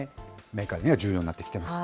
メーカーには重要になってきています。